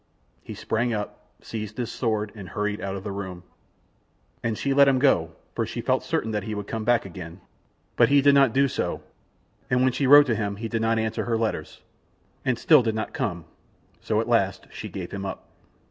He sprang up, seized his sword and hurried out of the room, and she let him go, for she felt certain that he would come back again, but he did not do so, and when she wrote to him, he did not answer her letters, and still did not come; so at last she gave him up.